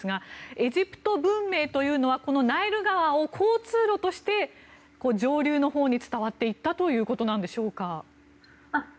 エジプト文明というのはこのナイル川を交通路として上流のほうに伝わっていったということなんでしょうか。